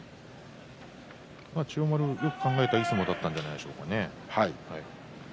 千代丸もよく考えた相撲だったんじゃないでしょうかね。